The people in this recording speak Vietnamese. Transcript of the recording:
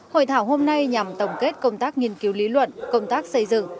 hội thảo hôm nay nhằm tổng kết công tác nghiên cứu lý luận công tác xây dựng